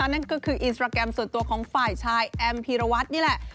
นั่นก็คืออินสตราแกรมส่วนตัวของฝ่ายชายแอมพีรวัตรนี่แหละ